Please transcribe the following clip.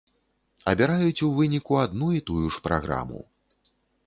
Абіраюць у выніку адну і тую ж праграму.